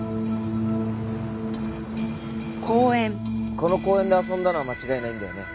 この公園で遊んだのは間違いないんだよね？